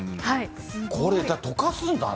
これ、溶かすんだね。